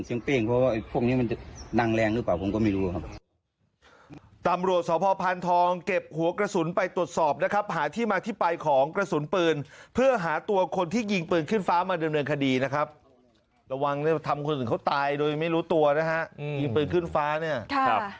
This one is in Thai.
เสียงปิ้งเพราะว่าพวกนี้มันจะนั่งแรงหรือเปล่าผมก็ไม่รู้ครับ